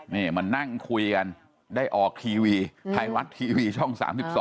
นี่มานั่งคุยกันได้ออกทีวีไทยรัฐทีวีช่อง๓๒